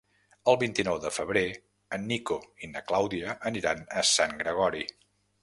El vint-i-nou de febrer en Nico i na Clàudia aniran a Sant Gregori.